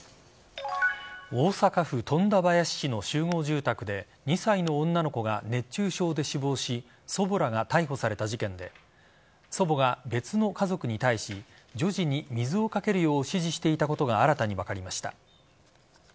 大阪府富田林市の集合住宅で２歳の女の子が熱中症で死亡し祖母らが逮捕された事件で祖母が別の家族に対し女児に水をかけるよう指示していたことが新たに分かりました。